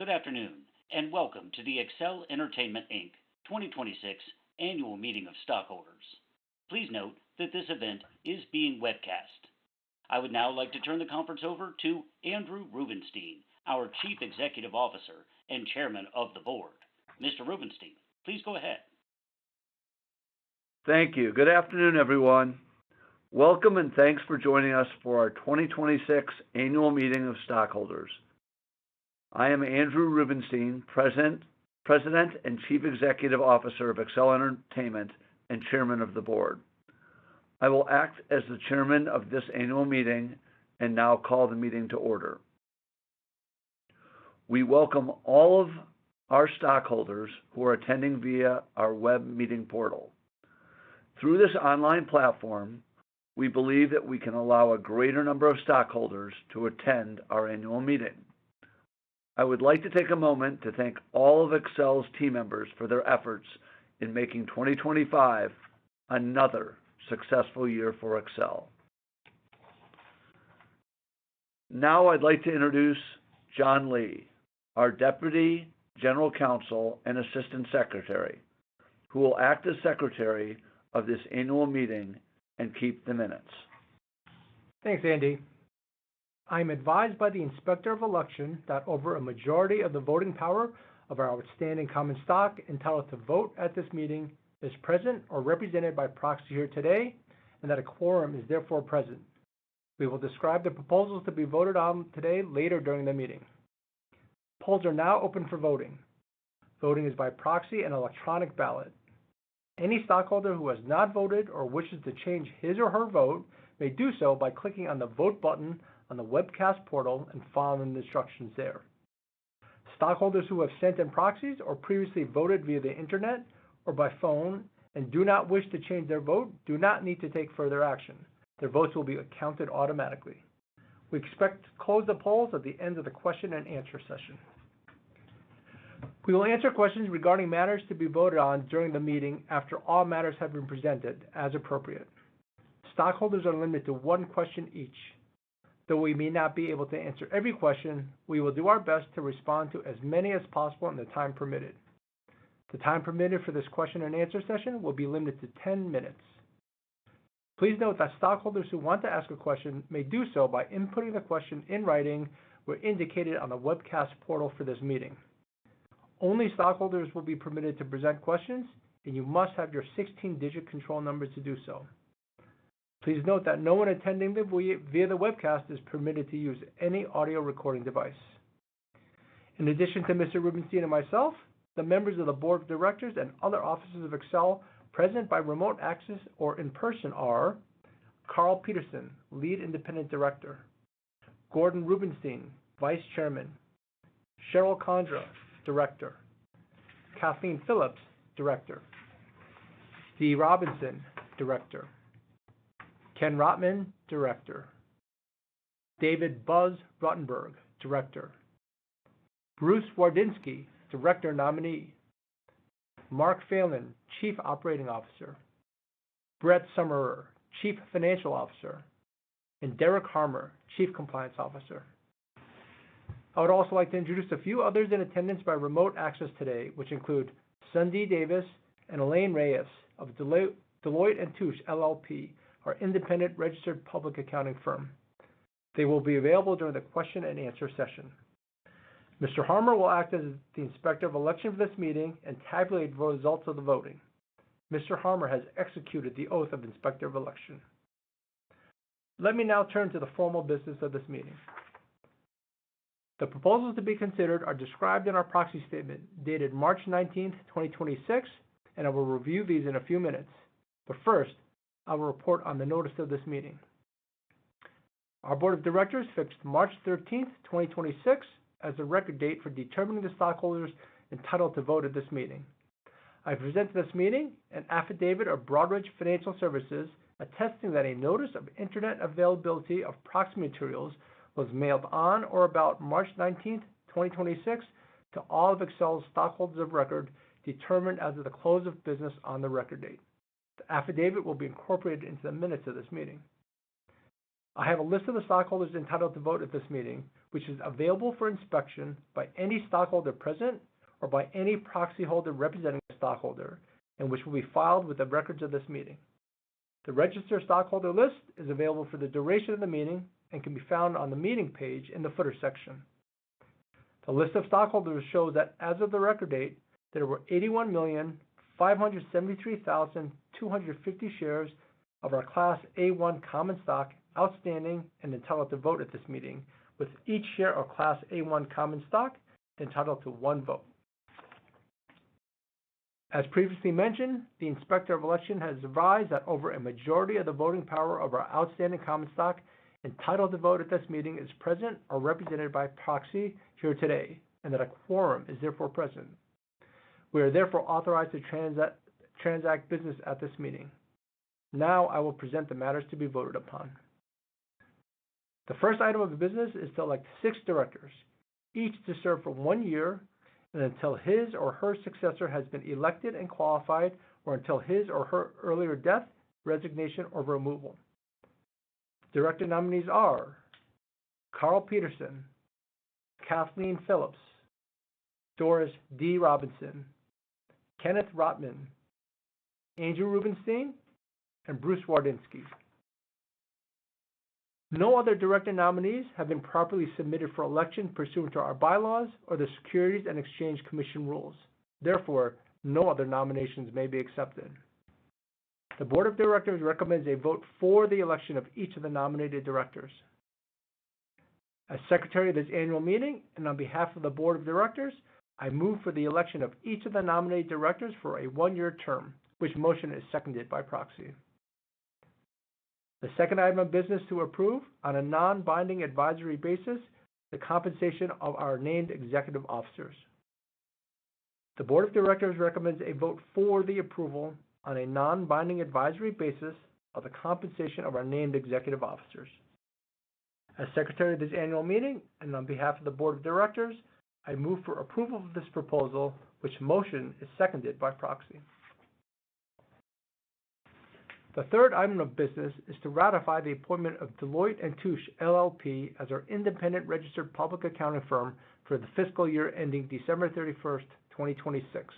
Good afternoon, and welcome to the Accel Entertainment, Inc. 2026 Annual Meeting of Stockholders. Please note that this event is being webcast. I would now like to turn the conference over to Andrew Rubenstein, our Chief Executive Officer and Chairman of the Board. Mr. Rubenstein, please go ahead. Thank you. Good afternoon, everyone. Welcome, and thanks for joining us for our 2026 Annual Meeting of Stockholders. I am Andrew Rubenstein, President and Chief Executive Officer of Accel Entertainment and Chairman of the Board. I will act as the Chairman of this annual meeting and now call the meeting to order. We welcome all of our stockholders who are attending via our web meeting portal. Through this online platform, we believe that we can allow a greater number of stockholders to attend our annual meeting. I would like to take a moment to thank all of Accel's team members for their efforts in making 2025 another successful year for Accel. Now I'd like to introduce John Lee, our Deputy General Counsel and Assistant Secretary, who will act as Secretary of this annual meeting and keep the minutes. Thanks, Andy. I'm advised by the Inspector of Election that over a majority of the voting power of our outstanding common stock entitled to vote at this meeting is present or represented by proxy here today, and that a quorum is therefore present. We will describe the proposals to be voted on today later during the meeting. Polls are now open for voting. Voting is by proxy and electronic ballot. Any stockholder who has not voted or wishes to change his or her vote may do so by clicking on the Vote button on the webcast portal and following the instructions there. Stockholders who have sent in proxies or previously voted via the Internet or by phone and do not wish to change their vote do not need to take further action. Their votes will be counted automatically. We expect to close the polls at the end of the question and answer session. We will answer questions regarding matters to be voted on during the meeting after all matters have been presented, as appropriate. Stockholders are limited to one question each. Though we may not be able to answer every question, we will do our best to respond to as many as possible in the time permitted. The time permitted for this question and answer session will be limited to 10 minutes. Please note that stockholders who want to ask a question may do so by inputting the question in writing where indicated on the webcast portal for this meeting. Only stockholders will be permitted to present questions, and you must have your 16-digit control numbers to do so. Please note that no one attending via the webcast is permitted to use any audio recording device. In addition to Mr. Rubenstein and myself, the members of the Board of Directors and other officers of Accel present by remote access or in person are Karl Peterson, Lead Independent Director, Gordon Rubenstein, Vice Chairman, Kathleen Philips, Director, Kathleen Philips, Director, Doris M. Robinson, Director, Kenneth B. Rotman, Director, David W. Ruttenberg, Director, Bruce D. Wardinski, Director Nominee, Mark Phelan, Chief Operating Officer, Brett Summerer, Chief Financial Officer, and Derek Harmer, Chief Compliance Officer. I would also like to introduce a few others in attendance by remote access today, which include Sundi Davis and Elaine Reyes of Deloitte & Touche, LLP, our independent registered public accounting firm. They will be available during the question and answer session. Mr. Harmer will act as the Inspector of Election for this meeting and tabulate the results of the voting. Mr. Harmer has executed the Oath of Inspector of Election. Let me now turn to the formal business of this meeting. The proposals to be considered are described in our proxy statement dated March 19th, 2026, and I will review these in a few minutes. First, I will report on the notice of this meeting. Our Board of Directors fixed March 13th, 2026, as the record date for determining the stockholders entitled to vote at this meeting. I present to this meeting an affidavit of Broadridge Financial Solutions attesting that a notice of Internet availability of proxy materials was mailed on or about March 19th, 2026, to all of Accel's stockholders of record determined as of the close of business on the record date. The affidavit will be incorporated into the minutes of this meeting. I have a list of the stockholders entitled to vote at this meeting, which is available for inspection by any stockholder present or by any proxyholder representing a stockholder and which will be filed with the records of this meeting. The registered stockholder list is available for the duration of the meeting and can be found on the meeting page in the footer section. The list of stockholders shows that as of the record date, there were 81,573,250 shares of our Class A-1 Common Stock outstanding and entitled to vote at this meeting, with each share of Class A-1 Common Stock entitled to 1 vote. As previously mentioned, the Inspector of Election has advised that over a majority of the voting power of our outstanding common stock entitled to vote at this meeting is present or represented by proxy here today, and that a quorum is therefore present. We are therefore authorized to transact business at this meeting. I will present the matters to be voted upon. The first item of business is to elect six directors, each to serve for one year and until his or her successor has been elected and qualified, or until his or her earlier death, resignation, or removal. Director nominees are Karl Peterson, Kathleen Philips, Doris M. Robinson, Kenneth B. Rotman, Andrew Rubenstein, and Bruce D. Wardinski. No other director nominees have been properly submitted for election pursuant to our bylaws or the Securities and Exchange Commission rules. No other nominations may be accepted. The board of directors recommends a vote for the election of each of the nominated directors. As secretary of this annual meeting and on behalf of the board of directors, I move for the election of each of the nominated directors for a one-year term, which motion is seconded by proxy. The second item of business to approve on a non-binding advisory basis, the compensation of our named executive officers. The board of directors recommends a vote for the approval on a non-binding advisory basis of the compensation of our named executive officers. As secretary of this annual meeting and on behalf of the board of directors, I move for approval of this proposal, which motion is seconded by proxy. The third item of business is to ratify the appointment of Deloitte & Touche, LLP as our independent registered public accounting firm for the fiscal year ending December 31st, 2026.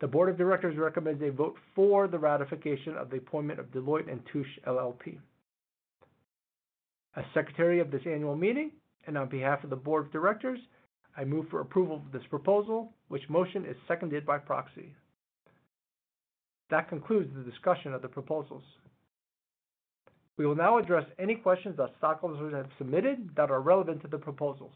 The board of directors recommends a vote for the ratification of the appointment of Deloitte & Touche, LLP. As secretary of this annual meeting and on behalf of the board of directors, I move for approval of this proposal, which motion is seconded by proxy. That concludes the discussion of the proposals. We will now address any questions that stockholders have submitted that are relevant to the proposals.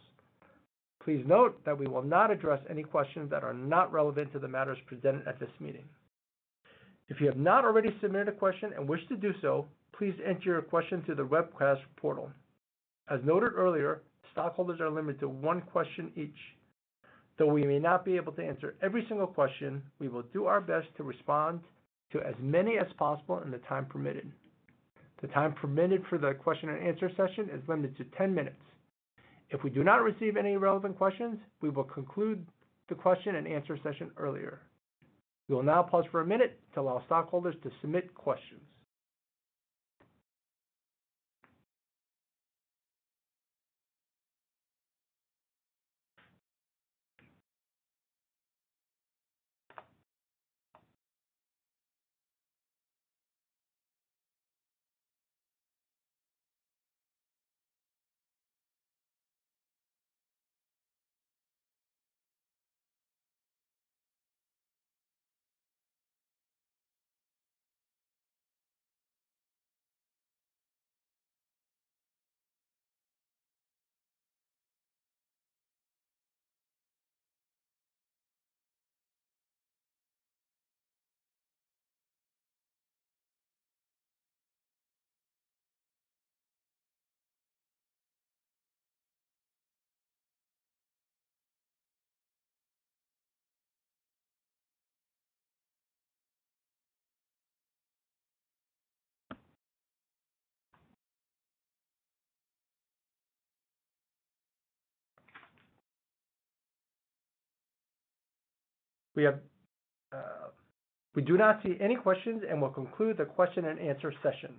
Please note that we will not address any questions that are not relevant to the matters presented at this meeting. If you have not already submitted a question and wish to do so, please enter your question through the webcast portal. As noted earlier, stockholders are limited to one question each. Though we may not be able to answer every single question, we will do our best to respond to as many as possible in the time permitted. The time permitted for the question and answer session is limited to 10 minutes. If we do not receive any relevant questions, we will conclude the question and answer session earlier. We will now pause for one minute to allow stockholders to submit questions. We do not see any questions and will conclude the question and answer session.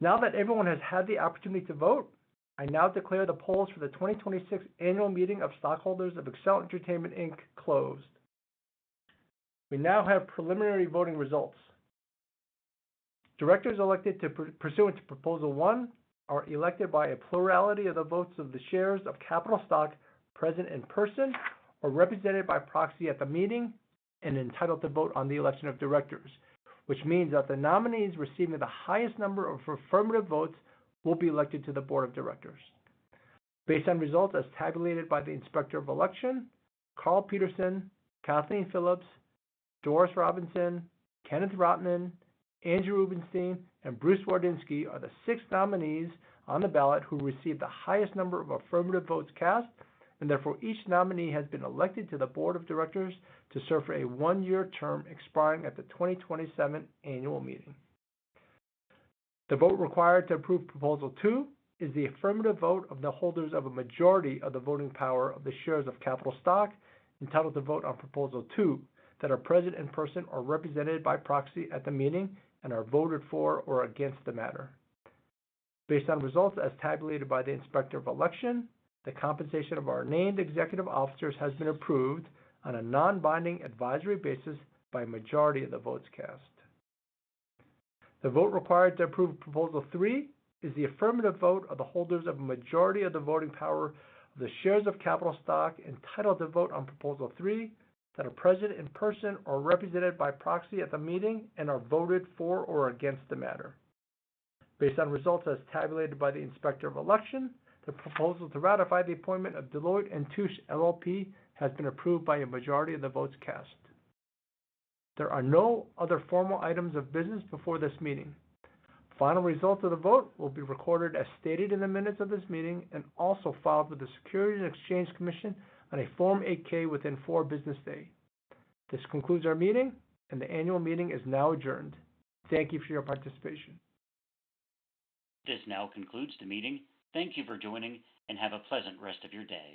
Now that everyone has had the opportunity to vote, I now declare the polls for the 2026 annual meeting of stockholders of Accel Entertainment, Inc. closed. We now have preliminary voting results. Directors elected pursuant to proposal one are elected by a plurality of the votes of the shares of capital stock present in person or represented by proxy at the meeting and entitled to vote on the election of directors, which means that the nominees receiving the highest number of affirmative votes will be elected to the board of directors. Based on results as tabulated by the Inspector of Election, Karl Peterson, Kathleen Philips, Dee Robinson, Kenneth B. Rotman, Andrew Rubenstein, and Bruce D. Wardinski are the six nominees on the ballot who received the highest number of affirmative votes cast, and therefore, each nominee has been elected to the board of directors to serve for a one-year term expiring at the 2027 annual meeting. The vote required to approve proposal two is the affirmative vote of the holders of a majority of the voting power of the shares of capital stock entitled to vote on proposal two that are present in person or represented by proxy at the meeting and are voted for or against the matter. Based on results as tabulated by the Inspector of Election, the compensation of our named executive officers has been approved on a non-binding advisory basis by a majority of the votes cast. The vote required to approve proposal three is the affirmative vote of the holders of a majority of the voting power of the shares of capital stock entitled to vote on proposal three that are present in person or represented by proxy at the meeting and are voted for or against the matter. Based on results as tabulated by the Inspector of Election, the proposal to ratify the appointment of Deloitte & Touche, LLP has been approved by a majority of the votes cast. There are no other formal items of business before this meeting. Final results of the vote will be recorded as stated in the minutes of this meeting and also filed with the Securities and Exchange Commission on a Form 8-K within four business days. This concludes our meeting, and the annual meeting is now adjourned. Thank you for your participation. This now concludes the meeting. Thank you for joining, and have a pleasant rest of your day.